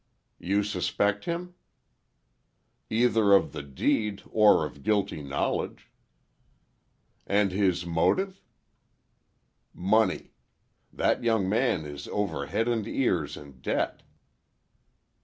"You suspect him?" "Either of the deed, or of guilty knowledge." "And his motive?" "Money. That young man is over head and ears in debt."